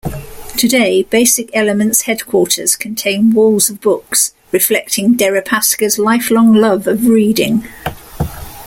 Today, Basic Element's headquarters contain walls of books, reflecting Deripaska's lifelong love of reading.